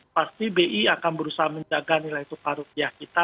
pasti bi akan berusaha menjaga nilai tukar rupiah kita